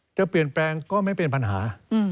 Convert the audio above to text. จะเปลี่ยนแปลงก็ไม่เป็นปัญหา